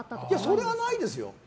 それはないですよ。